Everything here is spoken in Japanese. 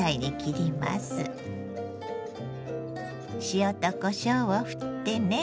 塩とこしょうをふってね。